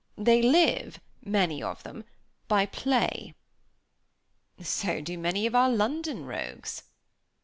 They live, many of them, by play." "So do many of our London rogues."